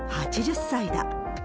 ８０歳だ。